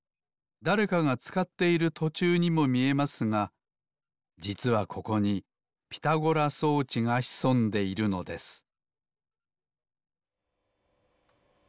だれかがつかっているとちゅうにもみえますがじつはここにピタゴラ装置がひそんでいるのです